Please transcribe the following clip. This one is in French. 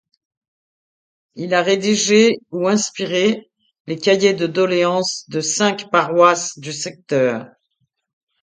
Il a rédigé ou inspiré les Cahiers de Doléances de cinq paroisses du secteur.